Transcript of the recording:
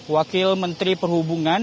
wakil menteri perhubungan